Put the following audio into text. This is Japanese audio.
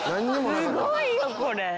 すごいよこれ。